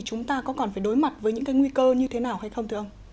chúng ta có còn phải đối mặt với những nguy cơ như thế nào hay không